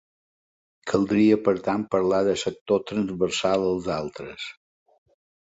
Caldria, per tant, parlar de sector transversal als altres.